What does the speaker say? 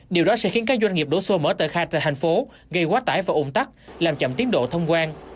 điều đó sẽ khiến các doanh nghiệp đổ xô mở tờ khai tại thành phố gây quá tải và ủng tắc làm chậm tiến độ thông quan